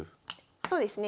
そうですね。